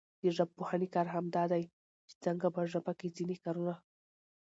د ژبپوهني کار همدا دئ، چي څنګه په ژبه کښي ځیني کارونه کېږي.